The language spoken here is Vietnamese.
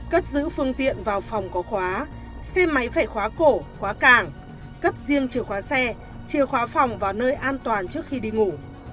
cất giữ phương tiện vào phòng có khóa xe máy phải khóa cổ khóa càng cấp riêng chìa khóa xe chìa khóa phòng vào nơi an toàn trước khi đi ngủ